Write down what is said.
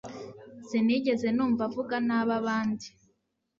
Sinigeze numva avuga nabi abandi